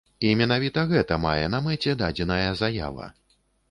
І менавіта гэта мае на мэце дадзеная заява.